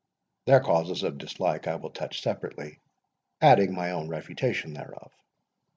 Their causes of dislike I will touch separately, adding my own refutation thereof.